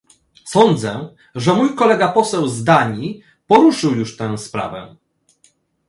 Sądzę, że mój kolega poseł z Danii poruszył już tę sprawę